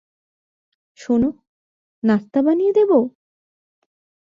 শোনো, নাস্তা বানিয়ে দেবো?